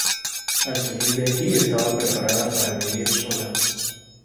Al salir de allí estaba preparada para vivir sola.